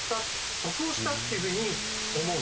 得をしたっていうふうに思う。